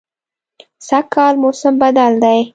سږکال موسم بدل دی